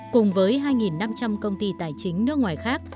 cùng với hai năm trăm linh công ty tài chính nước ngoài khác